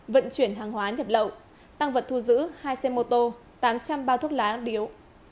vận chuyển hàng hóa nhập lậu tăng vật thu giữ hai xe mô tô tám trăm linh bao thuốc lá điếu